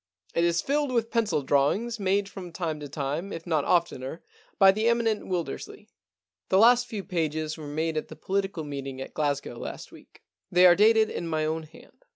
It is filled with pencil drawings made from time to time, if not oftener, by the eminent Wilder sley. The last few pages were made at the political meeting at Glasgow last week. They are dated in my own hand.